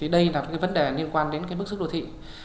đây là vấn đề liên quan đến bức xúc đô thị